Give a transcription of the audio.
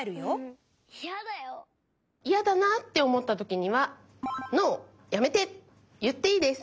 イヤだなっておもったときには「ＮＯ」「やめて」いっていいです。